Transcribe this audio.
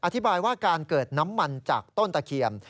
อธิบายว่าการเกิดน้ำมันจากต้นตะเคียน